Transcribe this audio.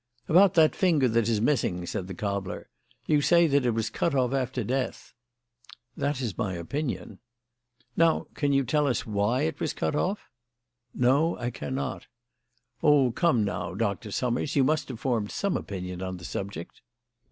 "About that finger that is missing," said the cobbler. "You say that it was cut off after death." "That is my opinion." "Now, can you tell us why it was cut off?" "No, I cannot." "Oh, come now, Doctor Summers, you must have formed some opinion on the subject."